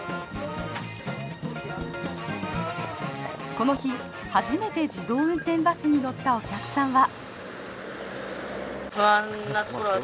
この日初めて自動運転バスに乗ったお客さんは。